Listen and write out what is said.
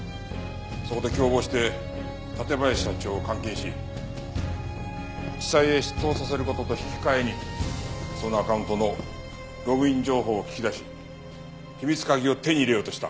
そこで共謀して館林社長を監禁し地裁へ出頭させる事と引き換えにそのアカウントのログイン情報を聞き出し秘密鍵を手に入れようとした。